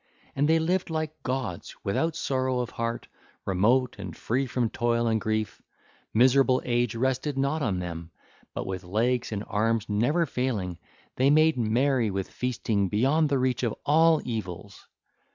And they lived like gods without sorrow of heart, remote and free from toil and grief: miserable age rested not on them; but with legs and arms never failing they made merry with feasting beyond the reach of all evils.